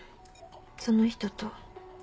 その人と。